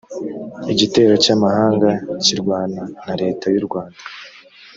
igitero cy’amahanga kirwana na leta y’u rwanda